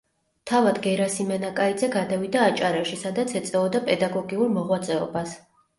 თავად გერასიმე ნაკაიძე გადავიდა აჭარაში, სადაც ეწეოდა პედაგოგიურ მოღვაწეობას.